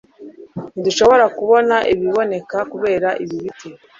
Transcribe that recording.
Ntidushobora kubona ibiboneka kubera ibi biti.